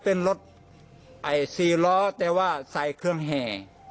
เป็นรถ๔ล้อแต่ว่าใส่เครื่องแห่